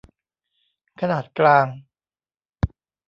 ขนาดกลาง